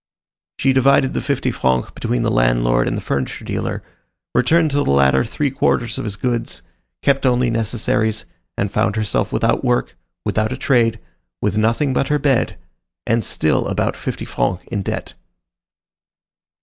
She divided the fifty francs between the landlord and the furniture dealer, returned to the latter three quarters of his goods, kept only necessaries, and found herself without work, without a trade, with nothing but her bed, and still about fifty francs in debt.